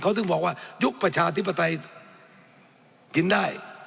เขาถึงบอกว่ายุคประชาธิปไตยกินได้